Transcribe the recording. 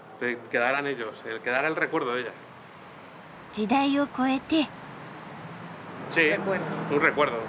時代を越えて。